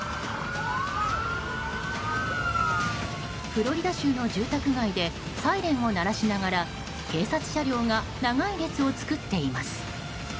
フロリダ州の住宅街でサイレンを鳴らしながら警察車両が長い列を作っています。